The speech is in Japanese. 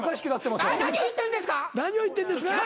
何を言ってるんですか。